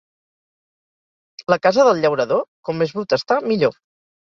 La casa del llaurador, com més bruta està, millor.